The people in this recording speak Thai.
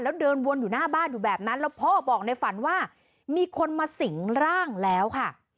แล้วเดินวนอยู่หน้าบ้านอยู่แบบนั้นแล้วพ่อบอกในฝันว่ามีคนมาสิงร่างแล้วค่ะ